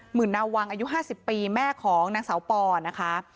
ื่นนาวังอายุ๕๐ปีแม่ของนางสาวปอนะคะ